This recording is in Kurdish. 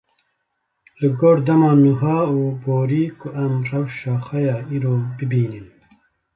li gor dema niha û borî ku em rewşa xwe ya îro bibînin.